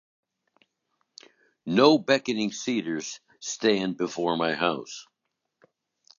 No beckoning cedars stand before my house.